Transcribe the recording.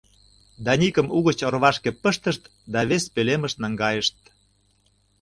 Даникым угыч орвашке пыштышт да вес пӧлемыш наҥгайышт.